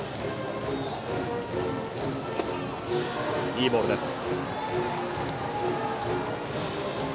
いいボールです。